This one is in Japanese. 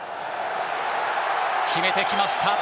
決めてきました。